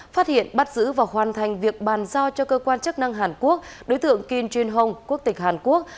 phát hiện bắt giữ và hoàn thành việc bàn giao cho cơ quan chức năng hàn quốc đối tượng kim jun hong quốc tịch hàn quốc